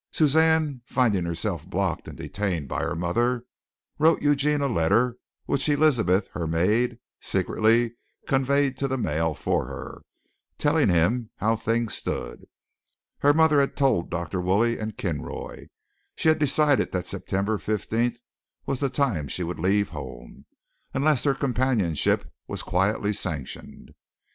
Suzanne, finding herself blocked and detained by her mother, wrote Eugene a letter which Elizabeth, her maid, secretly conveyed to the mail for her, telling him how things stood. Her mother had told Dr. Woolley and Kinroy. She had decided that September fifteenth was the time she would leave home, unless their companionship was quietly sanctioned.